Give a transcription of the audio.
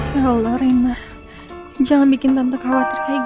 ya allah renah jangan bikin tante kawah terkaget